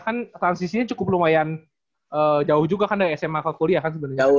karena kan transisinya cukup lumayan jauh juga kan dari sma ke kuliah kan sebenarnya